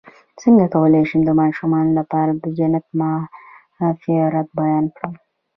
څنګه کولی شم د ماشومانو لپاره د جنت د مغفرت بیان کړم